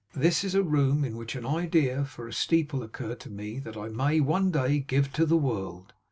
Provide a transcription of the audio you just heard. This is a room in which an idea for a steeple occurred to me that I may one day give to the world.